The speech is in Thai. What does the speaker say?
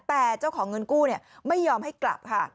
แต่เจ้าของเงินกู้ไม่ยอมให้กลับค่ะ